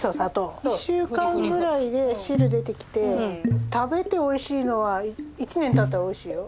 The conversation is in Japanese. ２週間ぐらいで汁出てきて食べておいしいのは１年たったらおいしいよ。